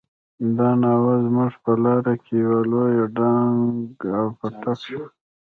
دا ناوه زموږ په لاره کې يوه لويه ډانګه او پټک شو.